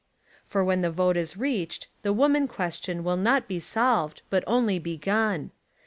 For when the vote is reached the woman question will not be solved but only begun.